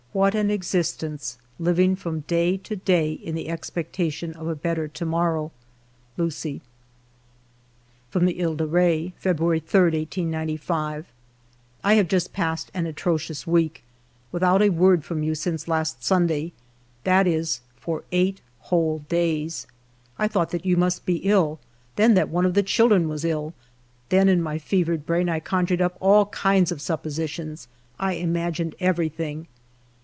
what an existence, living from day to day in the expectation of a better to morrow ! Lucie." 88 FIVE YEARS OF MY LIFE From the He de Re :— "February 3, 1895. " I have just passed an atrocious week, with out a word from you since last Sunday, that is, for eight whole days. I thought that you must be ill ; then, that one of the children was ill ; then, in my fevered brain, I conjured up all kinds of suppositions, — I imagined everything.